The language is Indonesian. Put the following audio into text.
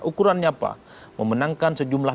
ukurannya apa memenangkan sejumlah